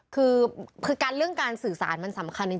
คือเรื่องการสื่อสารมันสำคัญจริง